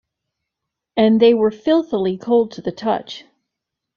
And they were filthily cold to the touch.